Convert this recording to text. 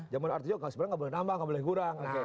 jaman r tujuh sebenarnya nggak boleh nambah nggak boleh kurang